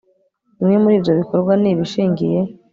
bimwe muri ibyo bikorwa ni ibishingiye